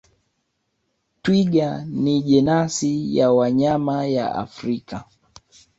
Twiga ni jenasi ya wanyama ya Afrika